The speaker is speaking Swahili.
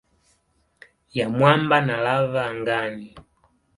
ya mwamba na lava angani.